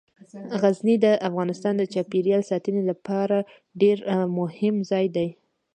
غزني د افغانستان د چاپیریال ساتنې لپاره ډیر مهم ځای دی.